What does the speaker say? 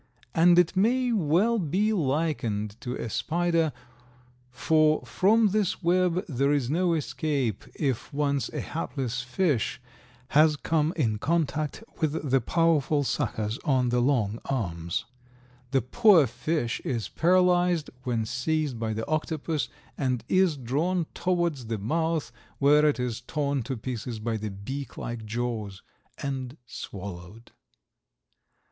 And it may well be likened to a spider for from this web there is no escape if once a hapless fish has come in contact with the powerful suckers on the long arms. The poor fish is paralyzed when seized by the octopus and is drawn towards the mouth, where it is torn to pieces by the beak like jaws, and swallowed.